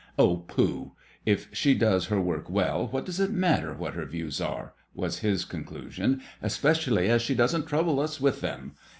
" Oh, pooh 1 If she does her work well what does it matter what her views are," was his conclusion, "especially as she doesn't trouble us with them?